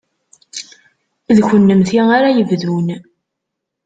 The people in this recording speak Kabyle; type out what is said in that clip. D kennemti ara yebdun.